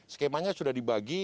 skemanya sudah dibagi